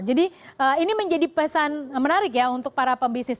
jadi ini menjadi pesan menarik ya untuk para pembisnis